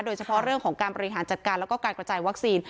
โดยเฉพาะเรื่องของการบริหารจัดการแล้วก็การกระจายวัคซีน